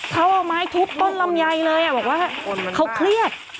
เขาเอาไม้ทุบต้นลำไยเลยบอกว่าเขาเครียด